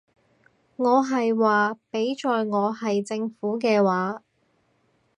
我係話，畀在我係政府嘅話